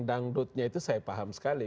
dangdutnya itu saya paham sekali